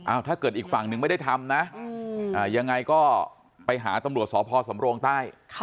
ถ้าเกิดอีกฝั่งหนึ่งไม่ได้ทำนะยังไงก็ไปหาตำรวจสพสำโรงใต้